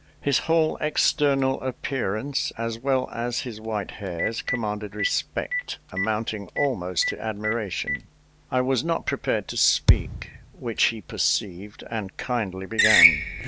His whole external appearance, as well as his white hairs, commanded respect amounting almost to admiration. I was not prepared to speak, which he perceived, and kindly began.